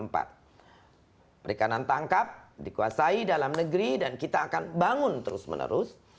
perikanan tangkap dikuasai dalam negeri dan kita akan bangun terus menerus